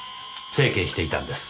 整形していたんです。